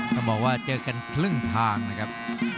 ต้องบอกว่าเจอกันครึ่งทางนะครับ